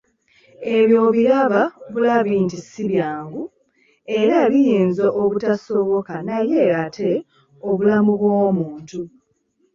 Ebyo obiraba bulabi nti si byangu, era biyinza obutasoboka naye ate obulamu bw'omuntu